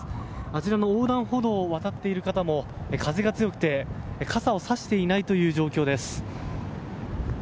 あちらの横断歩道を渡っている方も風が強くて傘をさしていないという状況です。